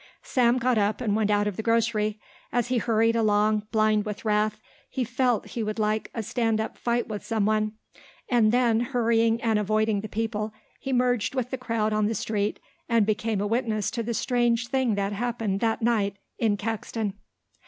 Sam got up and went out of the grocery. As he hurried along, blind with wrath, he felt he would like a stand up fight with some one. And, then, hurrying and avoiding the people, he merged with the crowd on the street and became a witness to the strange thing that happened that night in Caxton.